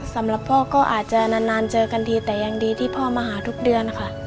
สำหรับพ่อก็อาจจะนานเจอกันดีแต่ยังดีที่พ่อมาหาทุกเดือนค่ะ